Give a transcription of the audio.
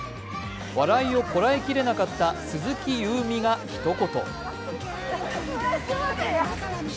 笑いをこらえきれなかった鈴木夕湖がひと言。